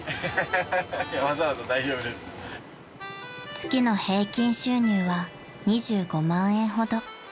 ［月の平均収入は２５万円ほど］